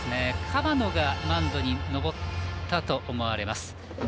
河野がマウンドに上がったと見られます。